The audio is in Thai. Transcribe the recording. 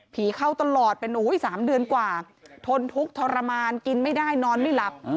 เข้าตลอดเป็น๓เดือนกว่าทนทุกข์ทรมานกินไม่ได้นอนไม่หลับ